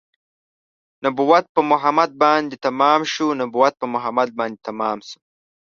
نبوت په محمد باندې تمام شو نبوت په محمد باندې تمام شو